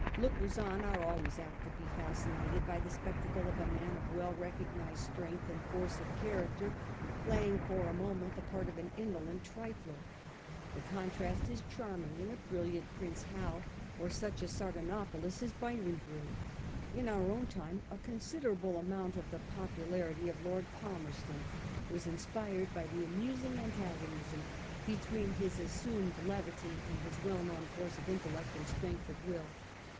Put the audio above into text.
Lookers on are always rather apt to be fascinated by the spectacle of a man of well recognised strength and force of character playing for the moment the part of an indo lent trifler. The contrast is charming in a brilliant Prince Hal or such a Sardanapalus as Byron drew. In our own time a considerable amount of the popularity of Lord Palmerston was inspired by the amusing antagonism between his assumed levity and his well known force of intellect and strength of will.